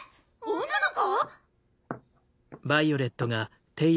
女の子⁉